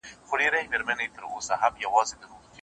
ویالې به وچي باغ به وي مګر باغوان به نه وي